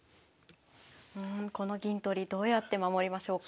うんこの銀取りどうやって守りましょうか。